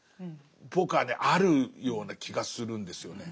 僕はねあるような気がするんですよね。